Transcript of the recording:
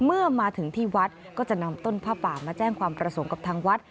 เมื่อมาถึงที่วัดก็จะนำต้นผ้าป่ามาแจ้งความประสงค์กับทางวัด